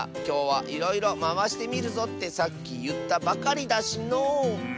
きょうはいろいろまわしてみるぞってさっきいったばかりだしのう。